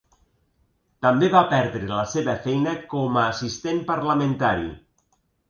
També va perdre la seva feina com a assistent parlamentari.